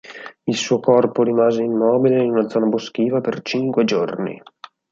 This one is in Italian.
Il suo corpo rimase immobile in una zona boschiva per cinque giorni.